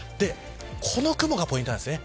この雲がポイントなんですね。